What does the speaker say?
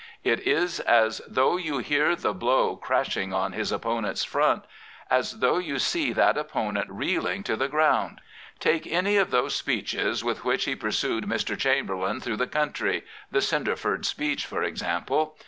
It is as though you hear the blow crash ing on his opponent's front, as though you see that opponent reeling to the ground. Take any of those speeches with which he pursued Mr. Chamberlain through the country — the Cinderford speech for example.